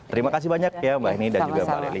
terima kasih banyak ya mbak ini dan juga mbak lely